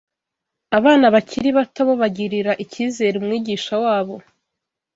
Abana bakiri bato bo bagirira icyizere umwigisha wabo